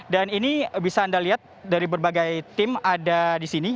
dan ini bisa anda lihat dari berbagai tim ada di sini